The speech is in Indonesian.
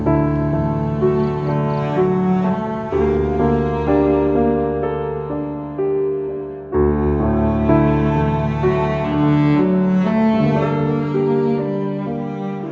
aku gak dengerin kata kata kamu mas